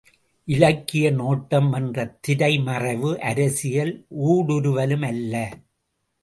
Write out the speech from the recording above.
இலக்கிய நோட்டம் என்ற திரை மறைவு அரசியல் ஊடுருவலுமல்ல.